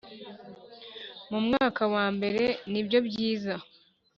mu mwaka wambere nibyo byiza,